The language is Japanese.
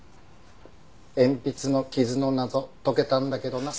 鉛筆の傷の謎解けたんだけどな。